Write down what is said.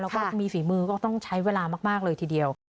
แล้วก็มีฝีมือก็ต้องใช้เวลามากเลยทีเดียว